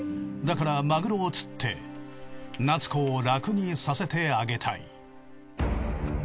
だからマグロを釣って夏子を楽にさせてあげたい。